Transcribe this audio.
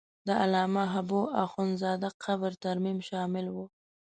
د علامه حبو اخند زاده قبر ترمیم شامل و.